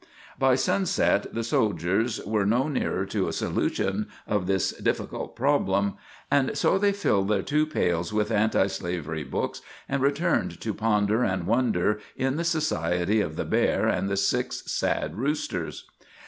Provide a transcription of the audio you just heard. By sunset the soldiers were no nearer to a solution of this difficult problem, and so they filled their two pails with antislavery books, and returned to ponder and wonder in the society of the bear and the six sad roosters.